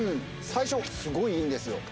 最初すごいいいんですよ。